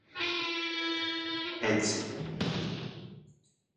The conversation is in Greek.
Έτσι